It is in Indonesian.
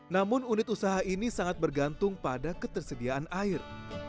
namun unit usaha ini sangat bergantung pada ketersediaan air